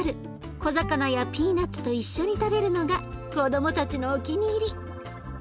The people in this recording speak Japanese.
小魚やピーナツと一緒に食べるのが子どもたちのお気に入り。